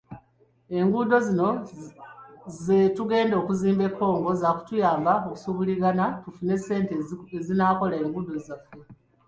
Enguudo zino ze tugenda okuzimba e Congo zaakutuyamba kusuubuligana tufune ssente ezinaakola enguudo zaffe.